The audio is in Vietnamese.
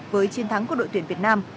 với chiến thắng của đội tuyển việt nam